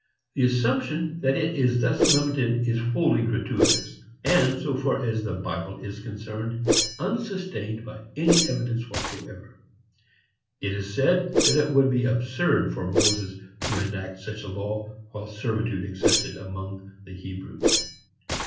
The assumption that it is thus limited is wholly gratuitous, and, so far as the Bible is concerned, unsustained by any evidence whatever. It is said that it would be absurd for Moses to enact such a law while servitude existed among the Hebrews.